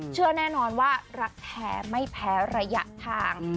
เชื่อแน่นอนว่ารักแท้ไม่แพ้ระยะทาง